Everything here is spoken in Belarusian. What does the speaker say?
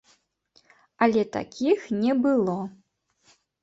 Але такіх не было!